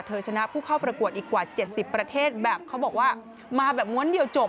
ชนะผู้เข้าประกวดอีกกว่า๗๐ประเทศแบบเขาบอกว่ามาแบบม้วนเดียวจบ